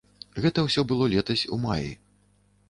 Гэта ўсё было летась у маі.